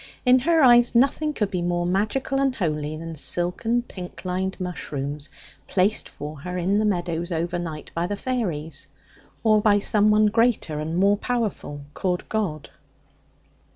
In her eyes nothing could be more magical and holy than silken, pink lined mushrooms placed for her in the meadows overnight by the fairies, or by someone greater and more powerful called God.